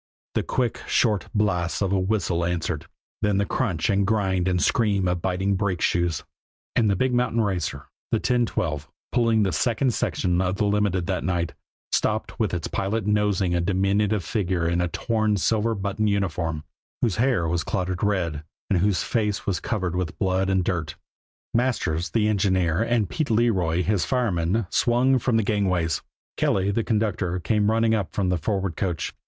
The quick, short blasts of a whistle answered, then the crunch and grind and scream of biting brake shoes and the big mountain racer, the 1012, pulling the second section of the Limited that night, stopped with its pilot nosing a diminutive figure in a torn and silver buttoned uniform, whose hair was clotted red, and whose face was covered with blood and dirt. Masters, the engineer, and Pete Leroy, his fireman, swung from the gangways; Kelly, the conductor, came running up from the forward coach.